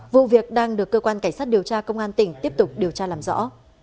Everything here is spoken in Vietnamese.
vụ việc đang được cơ quan cảnh sát điều tra công an tỉnh tiếp tục điều tra làm rõ